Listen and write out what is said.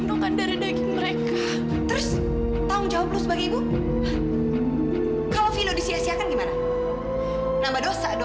dokter berapa pun biayanya akan saya bayar